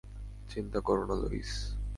চিন্তা করো না লুইস।